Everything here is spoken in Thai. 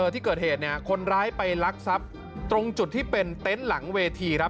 ที่เกิดเหตุคนร้ายไปลักทรัพย์ตรงจุดที่เป็นเต็นต์หลังเวทีครับ